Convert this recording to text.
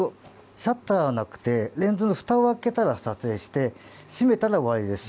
シャッターはなくてレンズのふたを開けたら撮影して閉まったら終わりです。